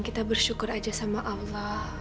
kita bersyukur aja sama allah